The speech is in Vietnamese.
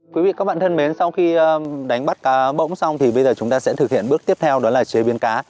quý vị các bạn thân mến sau khi đánh bắt cá bỗng xong thì bây giờ chúng ta sẽ thực hiện bước tiếp theo đó là chế biến cá